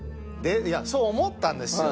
いやそう思ったんですよ。